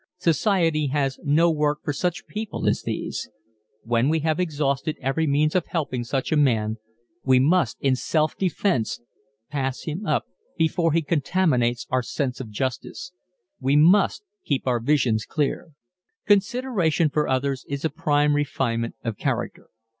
Society has no work for such people as these. When we have exhausted every means of helping such a man we must in self defense pass him up before he contaminates our sense of justice. We must keep our visions clear. Consideration for others is a prime refinement of character.